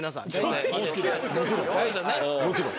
もちろん。